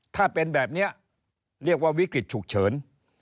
ถ้าเป็นแบบนี้เรียกว่าวิกฤตฉุกเฉิน